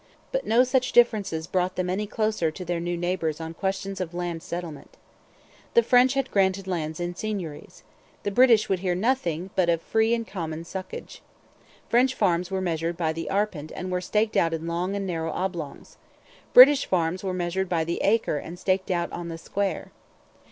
But no such differences brought them any closer to their new neighbours on questions of land settlement. The French had granted lands in seigneuries. The British would hear of nothing but free and common socage. French farms were measured by the arpent and were staked out in long and narrow oblongs. British farms were measured by the acre and staked out 'on the square.'